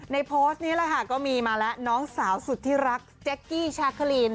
โพสต์นี้แหละค่ะก็มีมาแล้วน้องสาวสุดที่รักแจ๊กกี้ชาคลีน